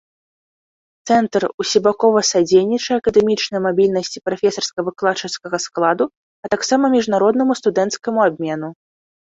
Цэнтр усебакова садзейнічае акадэмічнай мабільнасці прафесарска-выкладчыцкага складу, а таксама міжнароднаму студэнцкаму абмену.